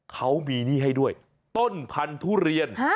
เขามีหนี้ให้ด้วยต้นพันธุเรียน